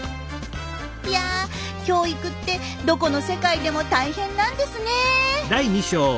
いや教育ってどこの世界でも大変なんですね。